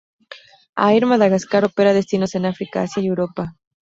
Air Madagascar opera destinos en África, Asia y Europa.